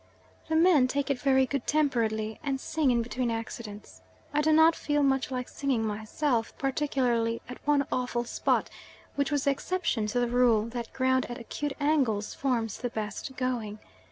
The men take it very good temperedly, and sing in between accidents; I do not feel much like singing myself, particularly at one awful spot, which was the exception to the rule that ground at acute angles forms the best going.